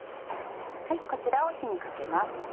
こちらを火にかけます。